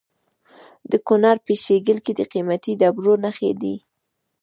د کونړ په شیګل کې د قیمتي ډبرو نښې دي.